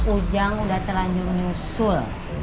ujang udah terlanjur nyusul